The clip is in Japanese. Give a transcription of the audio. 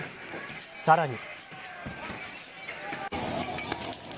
さらに。